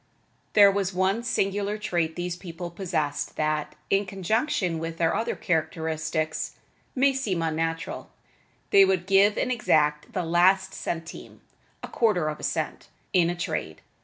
There was one singular trait these people possessed that, in conjunction with their other characteristics, may seem unnatural: they would give and exact the last centime (a quarter of a cent) in a trade.